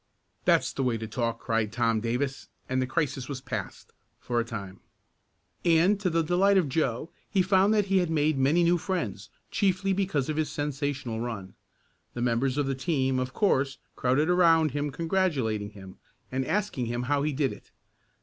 "That's the way to talk!" cried Tom Davis, and the crisis was passed for a time. And, to the delight of Joe, he found that he had made many new friends, chiefly because of his sensational run. The members of the team, of course, crowded around him congratulating him, and asking him how he did it.